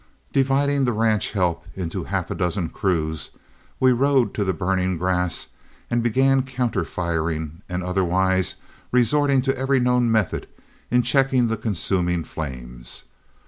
Dividing the ranch help into half a dozen crews, we rode to the burning grass and began counter firing and otherwise resorting to every known method in checking the consuming flames.